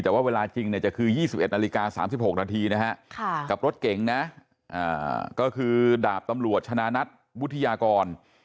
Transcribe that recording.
แต่ว่าเวลาจริงจะคือ๒๑นาฬิกา๓๖นาทีนะฮะกับรถเก่งนะก็คือดาบตำรวจชนะนัทวุฒิยากร